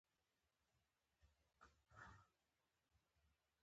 قلم دې نه زړه کېږي چې رايې کړئ.